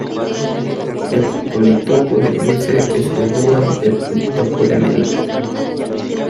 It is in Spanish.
El politopo de cruce es el dual del politopo de medida.